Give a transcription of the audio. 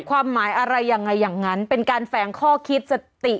ความหมายอะไรยังไงอย่างนั้นเป็นการแฝงข้อคิดสติ